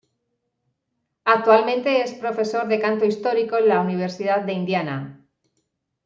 Actualmente es profesor de canto histórico en la Universidad de Indiana.